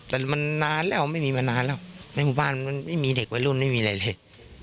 แต่มันนานแล้วไม่มีมานานแล้วในหมู่บ้านมันไม่มีเด็กวัยรุ่นไม่มีอะไรเลย